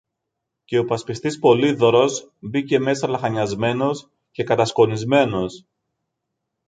και ο υπασπιστής Πολύδωρος μπήκε μέσα λαχανιασμένος και κατασκονισμένος.